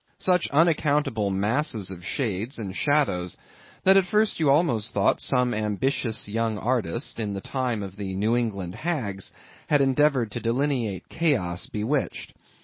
Such unaccountable masses of shades and shadows, that at first you almost thought some ambitious young artist, in the time of the New England hags, had endeavored to delineate chaos bewitched.